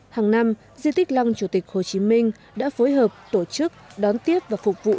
hàng năm di tích lăng chủ tịch hồ chí minh đã phối hợp tổ chức đón tiếp và phục vụ